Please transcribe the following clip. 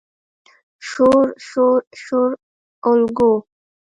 شور، شور، شور اولګوو